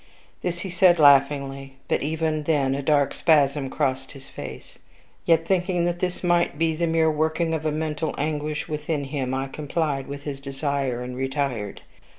This he said laughingly; but even then a dark spasm crossed his face. Yet, thinking that this might be the mere working of mental anguish within him, I complied with his desire, and retired.